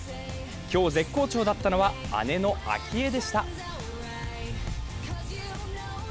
今日絶好調だったのは姉の明愛でした。